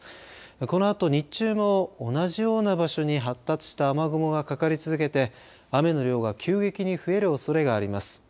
このあと日中も同じような場所に発達した雨雲がかかり続けて、雨の量が急激に増えるおそれがあります。